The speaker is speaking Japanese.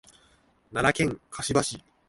奈良県香芝市